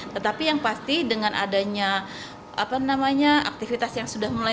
tetapi yang pasti dengan adanya aktivitas yang sudah mulai